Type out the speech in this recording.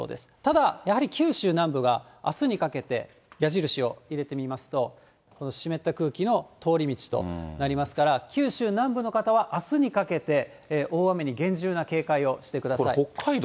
ただ、やはり九州南部があすにかけて、矢印を入れてみますと、この湿った空気の通り道となりますから、九州南部の方は、あすにかけて大雨に厳重な警戒をしてください。